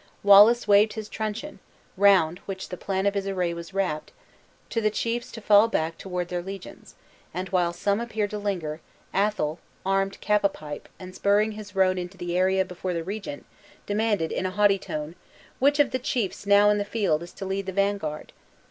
Wallace waved his truncheon (round which the plan of his array was wrapped) to the chiefs to fall back toward their legions; and while some appeared to linger, Athol, armed cap a pie, and spurring his roan into the area before the regent, demanded, in a haughty tone, "Which of the chiefs now in the field is to lead the vanguard?"